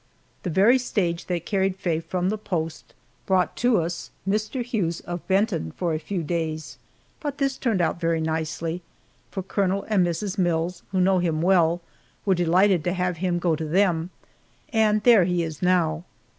The very stage that carried Faye from the post, brought to us Mr. Hughes of Benton for a few days. But this turned out very nicely, for Colonel and Mrs. Mills, who know him well, were delighted to have him go to them, and there he is now.